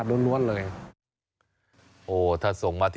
มีกลิ่นหอมกว่า